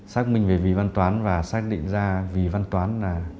xác minh về vị văn toán và xác định ra vị văn toán là